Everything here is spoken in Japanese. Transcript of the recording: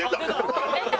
出た！